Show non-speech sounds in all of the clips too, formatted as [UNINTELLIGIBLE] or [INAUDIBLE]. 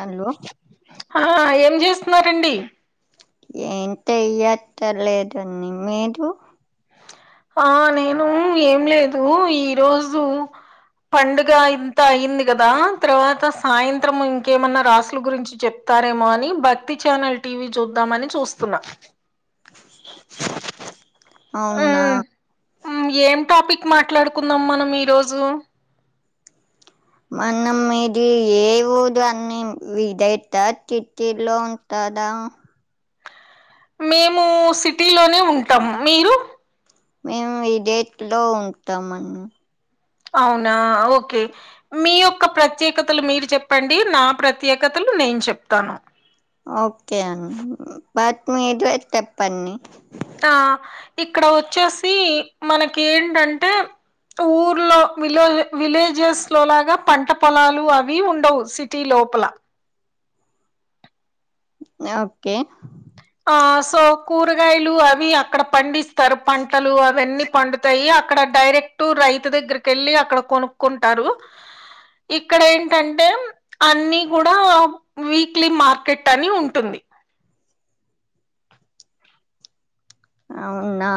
అల్లో ఆ ఏం చేస్తున్నారండి ఏం చెయ్యక్కర్లేదండి మీరు ఆ నేనూ ఏం లేదు ఈ రోజు పండుగ ఇంత అయింది కదా తర్వాత సాయంత్రం ఇంకేమన్నా రాసుల గురించి చెప్ స్తారేమో అని భక్తి ఛానల్ టీవీ చూద్దామని చూస్తున్నా అవునా మ్మ్ మ్మ్ ఏం టాపిక్ మాట్లాడుకుందాం మనం ఈరోజు మనం మీది ఏ ఊరు అన్ని ఇద అవుతది సిటీలో ఉంటారు దా మేము సిటీలోనే ఉంటాం. మీరు? మేము ఈడేట్లో ఉంటాంమన్ అవునా ఓకే మీ యొక్క ప్రత్యేకతలు మీరు చెప్పండి. నా ప్రత్యేకతలు న్ నేను చెప్తాను. ఓకే అన్ బట్ మీదే తెప్పన్నీ ఆ ఇక్కడ వచ్చేసి మనకి ఏంటంటే ఊర్లో విలో విలేజెస్ లో లాగా పంట పొలాలు అవి ఉండవు. సిటీలో పలా ఆ ఓకే ఆ సో కూరగాయలు అవి అక్కడ పండిస్తారు. పంటలు అవన్నీ పండుతాయి. అక్కడ డైరెక్ట్ రైతు దగ్గరకేళ్ళి అక్కడ కొనుక్కుంటారు. ఇక్కడ ఏంటంటే అన్ని కూడా. వీక్లీ మార్కెట్ అని ఉంటుంది. అవునా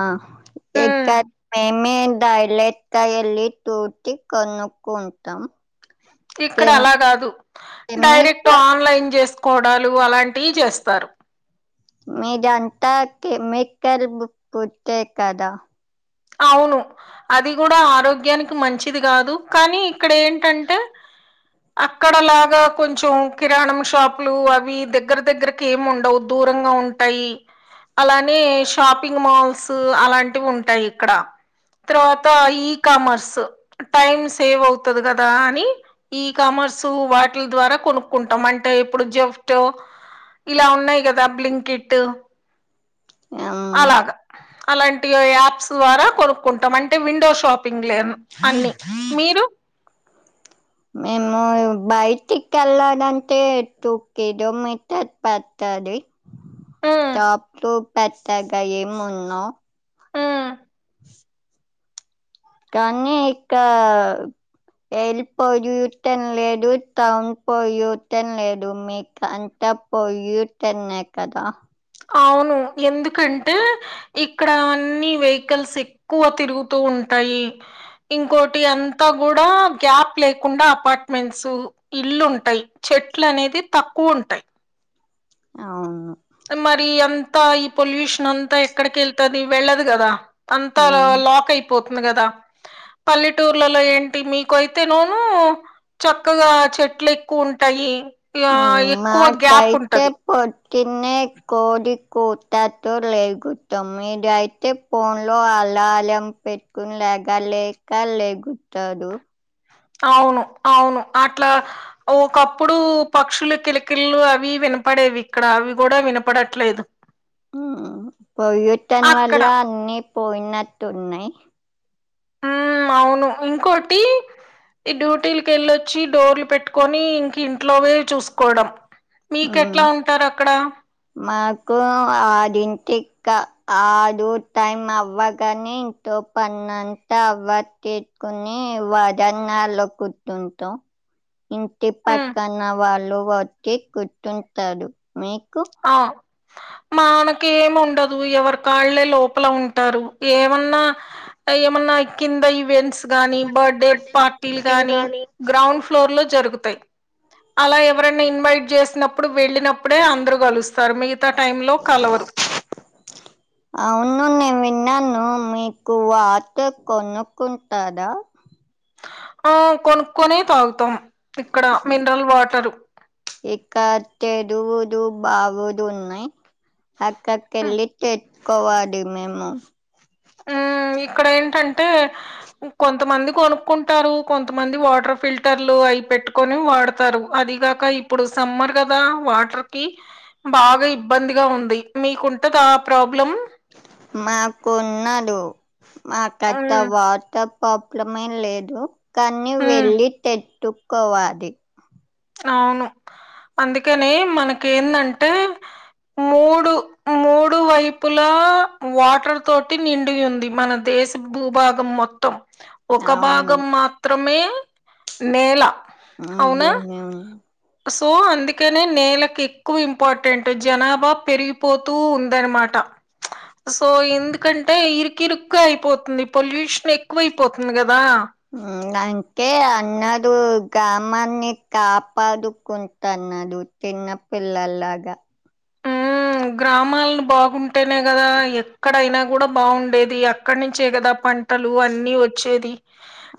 ఉమ్, ఇకత్ ఎమ్మెం డైలెట్ క ఎల్లి తూతీ కోనుకుంటాం. ఇక్కడ అలా గాదు. డైరెక్ట్ కెమికల్ ఆన్లైన్ చేస్ కోడలు అలాంటి చేస్తారు. మీదన్త కెమికల్ బు పూచే కదా అవును అది కూడా ఆరోగ్యానికి మంచిది గాదు. కానీ ఇక్కడ ఏంటంటే అక్కడలాగా కొంచెం కిరాణం షాపులు అవి దగ్గర దగ్గరకి ఏం ఉండవ్. దు రంగా ఉంటాయి. అలానే షాపింగ్ మాల్స్ అలాంటివి ఉంటాయి. క్కడ తర్వాత ఈ కామర్స్ టైం సేవ్ అవుతది కదా. అని ఈ కామ ర్సు వాటిల్ ద్వారా కొనుకుంటాం. అంటే ఇప్పుడు జేఫ్టో ఇలా ఉన్నాయి గదా. బ్లింక్ ఇట్ ఉమ్, అలాగా అలాంటియో యాప్ ప్స్ ద్వారా కొనుకుంటాం. అంటే విండో షాపింగ్ లే అన్ని మీరు? అవున్ బయటికేళ్ళడంటే. టూ కీదోమితాద్ పతది. హ్మ్. జాప్తో పెట్టగా ఏం ఉన్నా. ఆహ్ కానీ ఇక్క యెల్ పోజుతన్ లేదు, తౌన్ పోలుతన్ లేదు, మీకంత పోయితెన్నే కదా అవును ఎందుకంటే. ఇక్కడ అన్ని వెహికల్స్ ఎక్కువ తిరుగుతూ ఉంటాయి ఇంకోటి అంతా కూడా గ్యాప్ లేకుండా అపార్ట్మెంట్స్ ఇల్లుంటాయి చెట్లనేది తక్కువుంటాయ్. అవును మరి అంతా ఈ పొల్యూషన్ అంతా ఎక్కడికేళ్తది. వెళ్ళదు గదా. అంత ఆల ఉమ్ లాక్ అయిపోతుంది గదా. పల్లెటూర్లలో ఏంటి మీకైతే. నోనో చక్కగా చెట్లు ఎక్కువుంటాయి. మాకైతే పొటిన్నె కోది కుతతో లేగుతాం. మీద అయితే ఫోన్ లో అల్లాలం పెట్టుకుని లేవ్ లెగలెక లెగుత్తాదు. అవును అవును అట్లా ఒకప్పుడు పక్షులు కిలకిల్లు అవి విన్ వినపడేవి ఇక్కడ. అవి కూడా వినపడట్లేదు. ఉమ్ పొయ్యూటన్ అక్కడ వల్ల అన్ని పోయినట్ ఉన్నాయ్. ఊ అవును ఇంకోటి ఈ డ్యూటీలకెళ్ళొచ్చి డోర్లు పెట్టుకొని ఇంక ఇంట్లోవే చూసుకోవడం మీక ఎట్లా ఉంటారు అక్కడ ఆ ఆడింటి క ఆడు టైం అవ్వగని ఇంతో పన్ అంతా అవ తెత్కొని వరండలో కుత్తుంటం ఇంటి ఉమ్ పక్కన వాళ్ళు వచ్చి కుర్తుంటారు మీ ఆ మానకి ఏమి ఉండదు ఎవరి కాళ్లే లోపల ఉంటారు ఏమన్నా ఏమన్నా కింద ఈవెంట్స్ గానీ బర్డే బర్త్డే పార్టీలు పుట్టిన గానీ గాని గ్రౌండ్ ఫ్లోర్ లో జరుగుతు అలా ఎవరైనా ఇన్వైట్ చేసినప్పుడు వెళ్ళినప్పుడే అందరూ కలుస్త స్తరు మిగతా టైమ్ లో కలవరు నన్ను మీకు వాటర్ కొనుక్కుంటారా ఆ కొనుక్కకునే తాగుతాం ఇక్కడ మినరల్ వాటరు కట్టేడు డు బాగులు ఉన్నాయ్ అక్కకెళ్ళి కోవాడి మేము ఉ ఇక్కడ ఏంటంటే కొంతమంది కొనుక్కుంటారు కొంతమంది వాటర్ ఫిల్టర్లు అయి పెట్టుకొని వాడతారు అదిగాక ఇప్పుడు సమ్మర్ కదా వాటర్ కి బాగా ఇబ్బందిగా ఉంది మీకుంటదా ఆ ప్రాబ్లం మాకు ఉండదు మా కట్ట అవును వాటర్ ప్రాబ్లెమ్ ఏమి లేదు కానీ ఉమ్ వెళ్ళి తెత్తుకోవాలి అవును అందుకనీ మనకేందంటే మూడు మూడు వైపులా వాటర్ తోటి నిండి ఉంది మన దేశ దేశ భూభాగం మొత్తం ఒక అవును భాగం మాత్రమే నేల ఊ అవునా భూమి ఉ సో అందుకనే నేలకు ఎక్కువ ఇంపార్టెంట్ జనాభా పెరిగిపోతూ ఉందనమాట సో ఎందుకంటే ఇరుకిరుకుగా అయిపోతుంది పొల్యూషన్ ఎక్కువైపోతుంది కదా వా అంతే అందరు గామాన్ని కాపాడుకుంటన్నారు చిన్నపిల్లాలాగా ఆ గ్రామాలను బాగుంటేనే కదా ఎక్కడైనా కూడా బాగుండేది అక్కడ నుంచే కదా పంటలు అన్ని వచ్చేది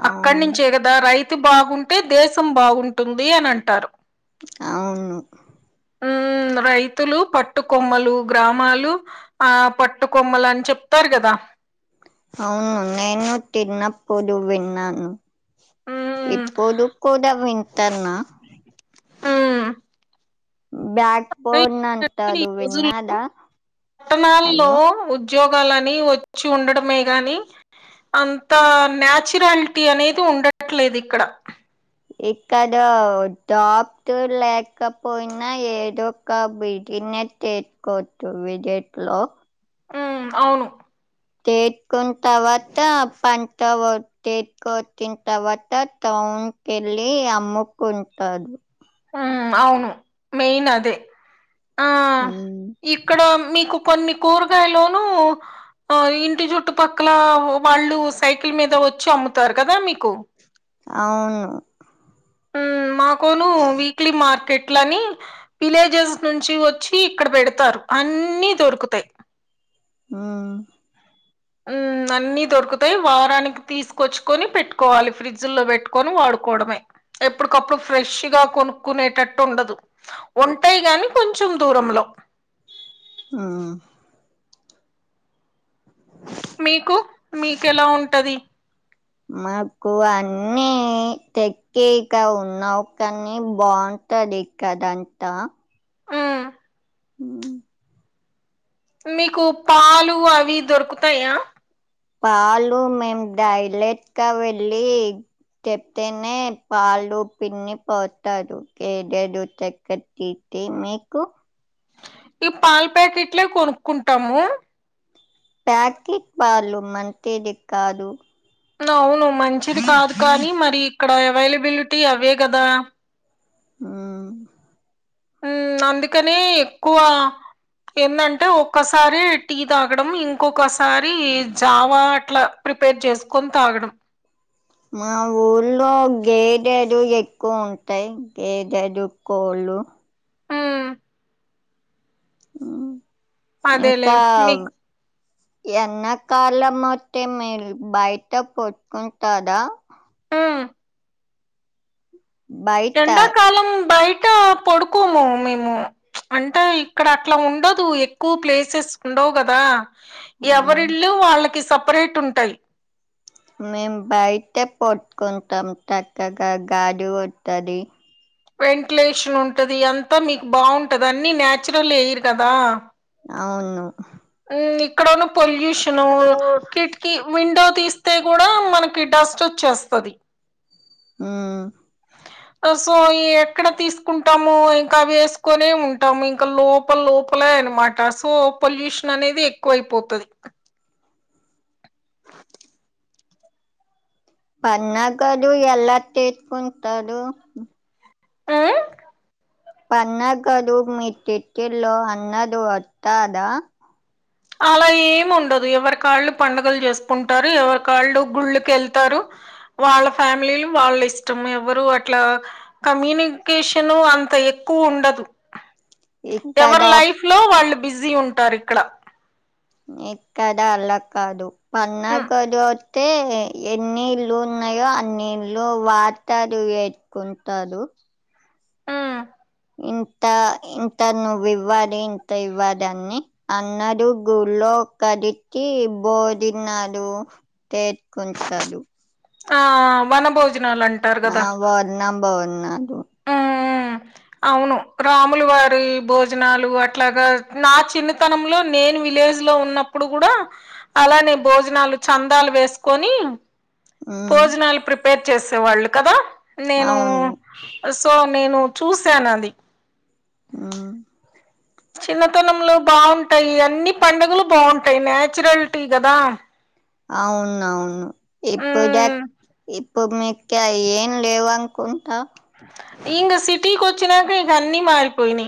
అక్కడి అవును నుంచే కదా రైతు బాగుంటే దేశం బాగుంటుంది అని అంటారు అవును ఆ రైతులు పట్టుకొమ్మలు గ్రామాలు ఆ పట్టుకొమ్మలు అని చెప్తారు కదా అవును నేను తిన్నప్పుడు విన్నాను ఉమ్ ఇప్పుడు కూడా వింటన్నా ఉమ్ బ్యాక్ బోన్ అం ఏంటంటే ఈ రోజుల్లో పట్టణాల్లో హలో ఉద్యోగాలు అని వచ్చి ఉండటమే గాని అంత న్యాచురలిటి అనేది ఉండట్లేదు ఇక్కడ ఎక్కడ జాబ్ లేకపోయినా ఏదో ఒక బిజీ తినేది చేచు కొచ్చు విజేట్లో ఉ అవును [INAUDIBLE] టౌన్ కెళ్ళి అమ్ముకుంటదు అవును మెయిన్ అదే ఆ ఉమ్ ఇక్కడ మీకు కొన్ని కూరగాయలునూ ఆ ఇంటి చుట్టుపక్కల వాళ్ళు సైకిల్ మీద వచ్చి అమ్ముతారు కదా మీకు అవును కొను క్లీ మార్కెట్ లని విలేజెస్ నుంచి వచ్చి ఇక్కడ పెడతారు అన్ని దొరుకుతాయి ఆ ఉమ్ అన్ని దొరుకుతాయి వారానికి తీసుకొచ్చుకొని పెట్టుకోవాలి ఫ్రిడ్జ్ లో పెట్టుకొని వాడు కోడమే ఎప్పటికప్పుడు ఫ్రెష్ గా కొనుక్కునేటట్టు ఉండదు ఉంటాయి కాని కొంచెం కొంచెం దూరంలో ఆ మీకు మీకెలా ఉంటది మాకు అన్ని తెక్కేక ఉన్నావు కానీ బా గుంటది కదా అంత ఉమ్ ఉహూ మీకు పాలు అవి దొరుకుతాయా పాలు మేం డైరెక్ట్ గా వెళ్ళి చెప్తేనే పాలు పిన్ని పోతారు ఏడేడు [UNINTELLIGIBLE] ఏం మీకు ఈ పాలు ప్యాకెట్లే కొనుక్కుంటాము ప్యాకెట్ పాలు మంచిది కాదు అవును మంచిది కాదు కానీ మరి ఇక్కడ అవైలబిలిటీ అవే కదా ఉమ్ ఉమ్ అందుకనే ఎక్కువ ఏందాంటే ఒక్కసారి టీ తాగడం ఇంకొకసారి జావా అట్లా ప్రిపేర్ చేసుకొని తాగడం మా ఊర్లో గేదెడు ఎక్కువ ఉంటాయి గేదెడు కోళ్ళు హలో ఉమ్ అదేలే ఇంకా మీకు ఎన్నాకాలాం మోత్తే మీరు బయట పట్టుకుంటాదా ఉమ్ బయట ఎండాకాలం బయట పడుకోము మేము అంటే ఇక్కడ అట్లా ఉండదు ఎక్కువ ప్లేసెస్ ఉండవు కదా మ్మ్ ఎవరిళ్లు వాళ్ళకి సపరేట్ ఉంటాయి మేము బయటే పట్టుకుంటాం చక్కగా గాలి ఒత్తది వెంటిలేషన్ ఉంటది అంతా మీకు బాగుంటది అన్ని నాచురల్ ఎయిరు కదా అవును ఇక్కడున్న పొల్యూషన్ కిటికీ విండో తీస్తే కూడా మనకి డస్ట్ ఓచ్చేస్తది. ఉమ్ సో ఎక్కడ తీసుకుంటాము ఇంకా వేసుకొనే ఉంటాము ఇంకా లోపల లో పలే అనమాట సో పొల్యూషన్ అనేది ఎక్కువ అయిపోతుంది పన్నగలు ఎలా చేసుకుంటారు ఉమ్, పన్నగలు మీ తిటిలో అన్నదు వత్తాదా అలా ఏం ఉండదు ఎవరికి వాళ్ళు పండుగలు చేసుకుంటారు ఎవరికి వాళ్ళు గుళ్ళకి వెళ్తారు వాళ్ళ ఫ్యామిలీలు వాళ్ళ ఇష్టం ఎవరు అట్లా కమ్యూనికేషన్ అంత ఎక్ క్కువ ఉండదు ఇక్కడ ఎవరి లైఫ్ లో వాళ్ళు బిజీ ఉంటారు ఇక్కడ ఇక్కడ అలా కాదు ఉమ్, పన్నగలు వత్తే ఎన్నిళ్లు ఉన్నాయో అన్నిళ్లు వాడతారు వేట్కుంటారు ఉమ్. ఇంత ఇంత నువ్ ఇవ్వాలి ఇంత ఇవ్వాలి అని అన్నారు గుళ్ళో ఒక్కరికీ భోజనాలు చేతుకుంటారు ఆ వనభోజనాలు అంటారు గదా. బన్నారు ఊ. అవును రాములు వారిభోజనాలు అట్లాగా నా చిన్నీతనంలో నేను విలే. విలేజ్ లో ఉన్నప్పుడు కూడా అలానే భోజనాలు చందాలు వేసుకొని. ఉమ్, భోజనాలు ప్రిపేర్ చేసేవాళ్ళు కదా నేను. అవును సో నేను చూసాను అది. ఆ చిన్నతనంలో బాగుంటాయి, అన్ని పడుగలు బాగుంటాయి, నాచురల్టీ కదా. అవును అవును ఎప్పుడ ఇప్. ఉమ్ ఇప్పుడు మీకె యేమ్ లేవునుకుంటా. ఇంగ సిటీికి వచ్చినాక ఇక అన్నీ మాారిపోయి.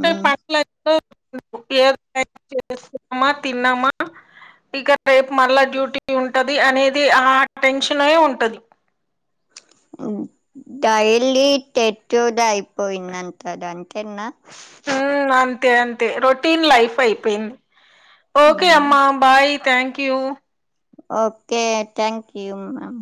ఉమ్, ఇక రేపు మళ్ళా డ్యూటీ ఉంటది, అనేది ఆ టెన్షనే ఉంటది. డైలీ టేట్యూ డయిపోయిందట డంతేనా. తే రొటీన్ లైఫ్ అయిపోయింది, ఓకే ఉమ్, అమ్మా bye thank you. Okay thank you mum